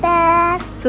selamat pagi sister